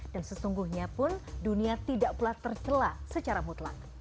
dan sesungguhnya pun dunia tidak pula tersela secara mutlak